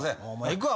行くわ。